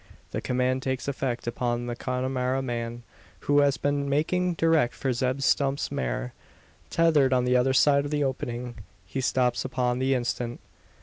The command takes effect upon the Connemara man, who has been making direct for Zeb Stump's mare, tethered on the other side of the opening. He stops upon the instant.